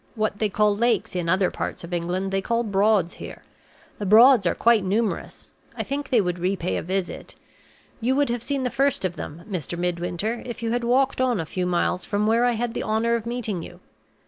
What they call lakes in other parts of England, they call Broads here. The Broads are quite numerous; I think they would repay a visit. You would have seen the first of them, Mr. Midwinter, if you had walked on a few miles from where I had the honor of meeting you.